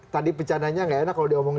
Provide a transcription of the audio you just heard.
tadi pecananya nggak enak kalau diomongin